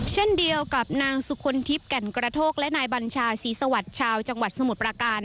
เช่นเดียวกับนางสุคลทิพย์แก่นกระโทกและนายบัญชาศรีสวัสดิ์ชาวจังหวัดสมุทรประการ